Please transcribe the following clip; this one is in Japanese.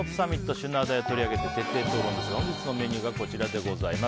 旬な話題を取り上げて徹底討論ですが本日のメニューがこちらです。